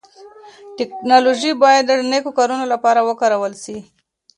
ټکنالوژي بايد د نيکو کارونو لپاره وکارول سي.